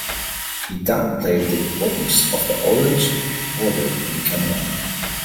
He downplayed the importance of the Orange Order in Canada.